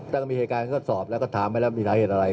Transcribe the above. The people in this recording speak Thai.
ก็มีเหตุการณ์ก็สอบแล้วก็ถามไปแล้วมีสาเหตุอะไร